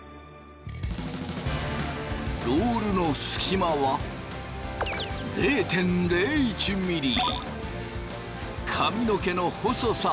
ロールの隙間は０．０１ミリ。